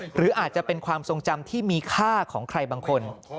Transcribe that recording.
หรืออาจจะเป็นความทรงจำที่มีค่าของใครบางคน